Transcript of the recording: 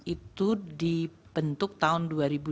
itu di bentuk tahun dua ribu dua puluh dua